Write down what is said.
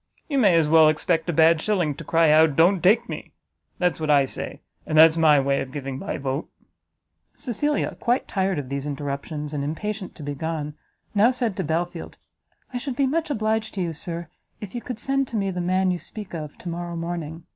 you may as well expect a bad shilling to cry out don't take me! That's what I say, and that's my way of giving my vote." Cecilia, quite tired of these interruptions, and impatient to be gone, now said to Belfield, "I should be much obliged to you, Sir, if you could send to me the man you speak of tomorrow morning.